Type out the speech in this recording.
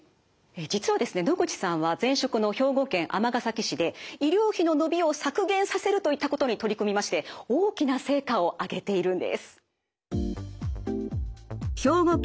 実はですね野口さんは前職の兵庫県尼崎市で医療費の伸びを削減させるといったことに取り組みまして大きな成果を上げているんです。